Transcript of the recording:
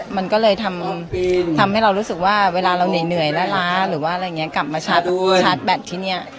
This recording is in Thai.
มันก็เลยทำให้เรารู้สึกว่าเวลาเราเหนื่อยล้าหรือว่าอะไรอย่างนี้กลับมาชาร์จชาร์จแบตที่เนี่ย